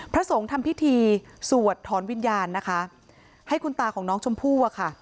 พระสงฆ์ทำพิธีสวดถอนวิญญาณนะคะให้คุณตาของน้องชมพู่อะค่ะ